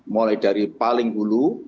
mulai dari paling dulu